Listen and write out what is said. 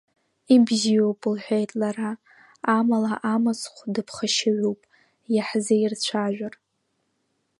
Ибзиоуп, – лҳәеит лара, амала, амыцхә дыԥхашьаҩуп, иаҳзеирцәажәар!